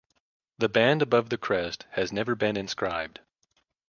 The band above the crest has never been inscribed.